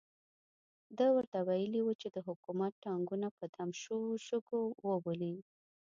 ده ورته ویلي وو چې د حکومت ټانګونه په دم شوو شګو وولي.